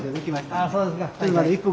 ああそうですか。